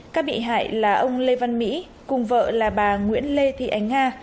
các bị hại là ông lê văn mỹ cùng vợ là bà nguyễn lê thị ánh nga